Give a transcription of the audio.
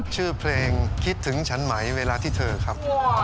ชื่อเพลงคิดถึงฉันไหมเวลาที่เธอครับ